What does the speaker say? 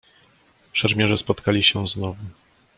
"Szermierze spotkali się znowu."